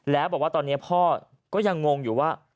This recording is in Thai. แล้วบอกว่าตอนนี้พ่อก็ยังงงอยู่ว่า